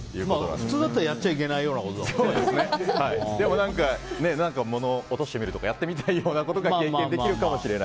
普通だったらやっちゃいけないような物を落としてみるとかやってみたいことが経験できるかもしれない。